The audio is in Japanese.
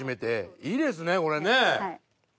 いいですねこれね！